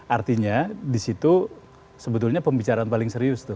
artinya disitu sebetulnya pembicaraan paling serius tuh